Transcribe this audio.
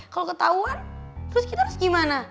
kalau ketahuan terus kita harus gimana